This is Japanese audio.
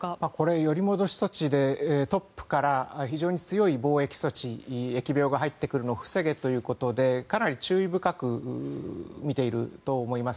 これは、より戻し措置でトップから疫病が入ってくるのを防げということでかなり注意深く見ていると思います。